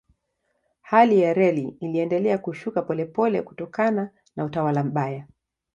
Hali ya reli iliendelea kushuka polepole kutokana na utawala mbaya.